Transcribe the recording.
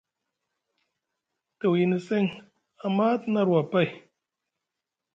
Te wiyini seŋ Ama te na arwa pay,